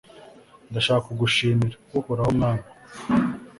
ndashaka kugushimira, uhoraho mwami